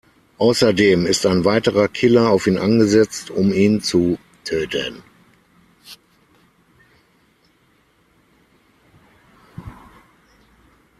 Außerdem ist ein weiterer Killer auf ihn angesetzt, um ihn zu töten.